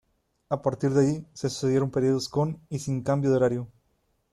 A partir de ahí se sucedieron períodos con y sin cambios de horario.